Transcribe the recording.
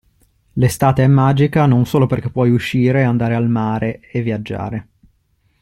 L'estate è magica non solo perché puoi uscire, andare al mare e viaggiare.